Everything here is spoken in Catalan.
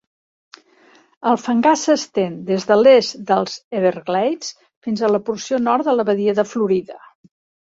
El fangar s'estén des de l'est dels Everglades, fins a la porció nord de la badia de Florida.